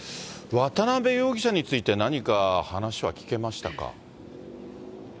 渡辺容疑者について、何か話は聞けましたか。